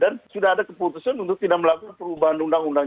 dan sudah ada keputusan untuk tidak melakukan perubahan undang undang